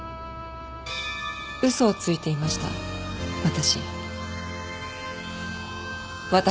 嘘をついていました私。